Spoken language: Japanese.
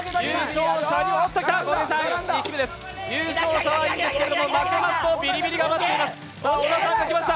優勝者はいいですけど、負けますとビリビリが待っています。